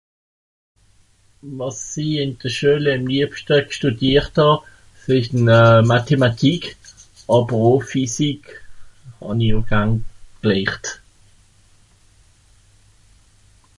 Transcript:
Wàs i ìn de Schüel àm liebschta gstùdiert hàà, vìllicht euh... Mathematique, àber oo Physique hà-n-i oo garn glehrt.